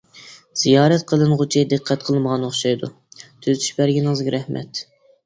زىيارەت قىلىنغۇچى دىققەت قىلمىغان ئوخشايدۇ، تۈزىتىش بەرگىنىڭىزگە رەھمەت.